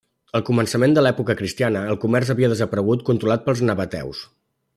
Al començament de l'època cristiana el comerç havia desaparegut controlat pels nabateus.